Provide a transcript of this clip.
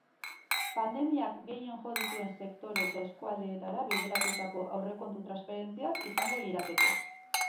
Pandemiak gehien jo dituen sektore eta eskualdeetara bideratutako aurrekontu-transferentziak izango lirateke.